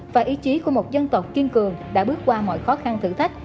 và ý chí của một dân tộc kiên cường đã bước qua mọi khó khăn thử thách